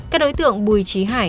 các đối tượng bùi trí hóa